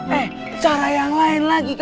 bete ini sudah bicara dari tadi tuh